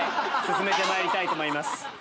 進めてまいりたいと思います。